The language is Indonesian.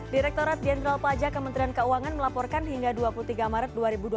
direkturat jenderal pajak kementerian keuangan melaporkan hingga dua puluh tiga maret dua ribu dua puluh